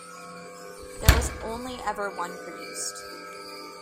There was only ever one produced.